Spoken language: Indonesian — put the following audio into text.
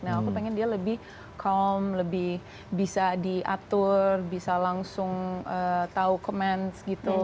nah aku pengen dia lebih calm lebih bisa diatur bisa langsung tahu comments gitu